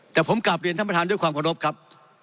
แต่ผมกลับเรียนท่านประธานด้วยความเคารพครับ